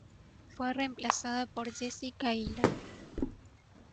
Fue reemplazada por Jessica Aguilar.